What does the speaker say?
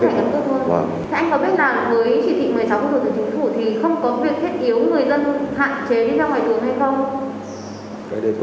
thế anh có biết là với chỉ trị một mươi sáu thủ tướng của chính phủ